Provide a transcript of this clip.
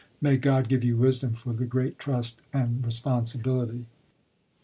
May God give you wisdom for the great trust and responsibility.